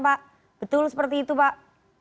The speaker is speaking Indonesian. betul seperti itu pak